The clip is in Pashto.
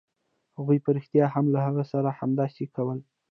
هغوی په رښتیا هم له هغه سره همداسې کول